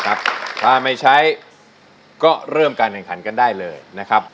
ถ้าไม่ใช้ก็เริ่มการแข่งขันกันได้เลยนะครับ